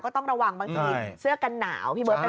ก็ต้องระวังบางทีเสื้อกันหนาว